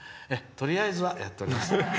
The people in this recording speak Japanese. とりあえずはやっております。